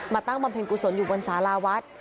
ตั้งบำเพ็ญกุศลอยู่บนสาราวัด